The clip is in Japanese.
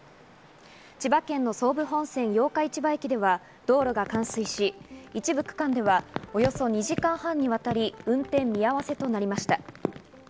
千葉県の総武本線八日市場駅では道路が冠水し、一部区間ではおよそ２時間半にわたり運転見合わせとなりました。